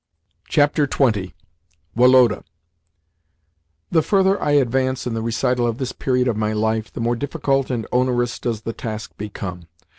XX. WOLODA The further I advance in the recital of this period of my life, the more difficult and onerous does the task become.